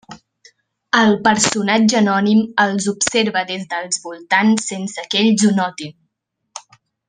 El personatge anònim els observa des dels voltants sense que ells ho notin.